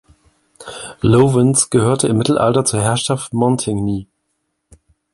Lovens gehörte im Mittelalter zur Herrschaft Montagny.